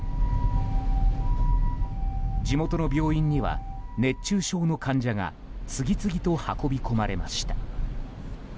地元の病院には熱中症の患者が次々と運び込まれました。